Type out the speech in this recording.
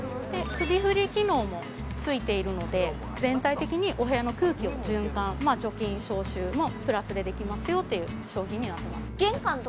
首振り機能もついているので全体的にお部屋の空気を循環除菌・消臭もプラスでできますよっていう商品になってます